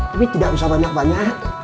tapi tidak usah banyak banyak